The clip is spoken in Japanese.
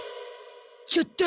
ちょっと！